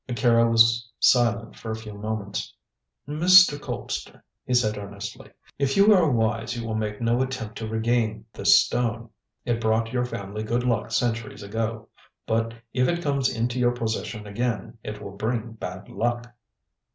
Akira was silent for a few moments. "Mr. Colpster," he said earnestly, "if you are wise, you will make no attempt to regain this stone. It brought your family good luck centuries ago, but if it comes into your possession again, it will bring bad luck."